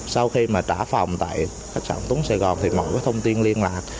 sau khi mà trả phòng tại khách sạn túng sài gòn thì mọi cái thông tin liên lạc